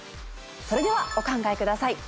それではお考えください。